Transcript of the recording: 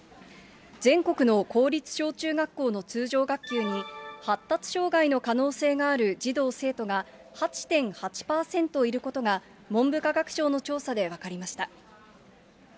全国の公立小中学校の通常学級に、発達障害の可能性がある児童・生徒が８．８％いることが、文部科学省の調査で分かりました。